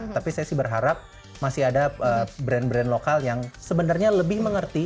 tapi saya sih berharap masih ada brand brand lokal yang sebenarnya lebih mengerti